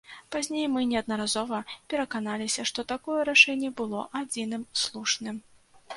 Пазней мы неаднаразова пераканаліся, што такое рашэнне было адзіным слушным.